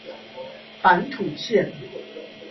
板土線